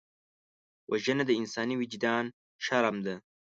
وژنه د انساني وجدان شرم ده